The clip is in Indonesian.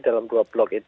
yang dua blok itu